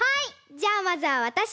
じゃあまずはわたし。